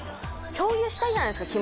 共有したいじゃないですか